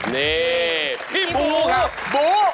นี่พี่ปูครับบู